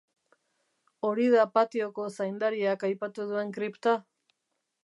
Hori da patioko zaindariak aipatu duen kripta?